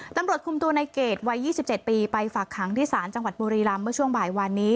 ตำรวจคุมตัวในเกรดวัย๒๗ปีไปฝากขังที่ศาลจังหวัดบุรีรำเมื่อช่วงบ่ายวันนี้